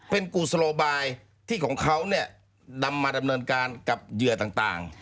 เป็นกุศโลบายที่ของเขาเนี่ยนำมาดำเนินการกับเหยื่อต่าง